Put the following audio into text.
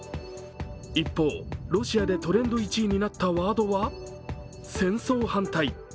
一方、ロシアでトレンド１位になったワードは「戦争反対」